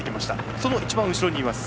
その一番後ろにいます。